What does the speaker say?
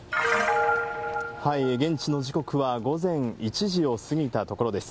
現地の時刻は午前１時を過ぎたところです。